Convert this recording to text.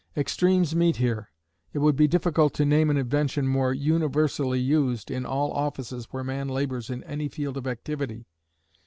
Extremes meet here. It would be difficult to name an invention more universally used, in all offices where man labors in any field of activity.